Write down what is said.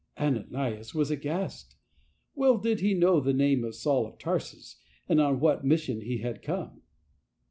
" Ananias was aghast. Well did he know the name of Saul of Tarsus, and on what I mission he had come.